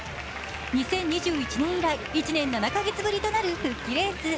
２０２１年以来、１年７か月ぶりとなる復帰レース。